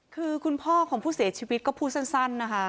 คือคุณพ่อของผู้เสียชีวิตก็พูดสั้นนะคะ